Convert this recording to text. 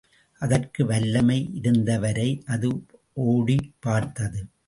அதற்கு வல்லமை இருந்தவரை அது ஓடிப் பார்த்தது.